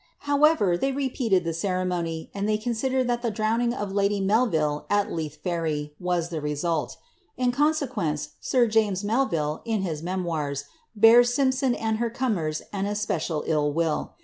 However, they repeated the ceremony, and they considered that the drowning of lady Melville, at Leith Ferry, was the result In consequence sir James Melville, in his memoirs, bears Simp son and her cummers an especial ill will.